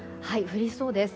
降りそうです。